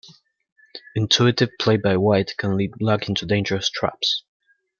Intuitive play by White can lead Black into dangerous traps.